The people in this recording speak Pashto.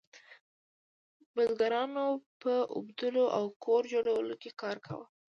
بزګرانو په اوبدلو او کور جوړولو کې کار کاوه.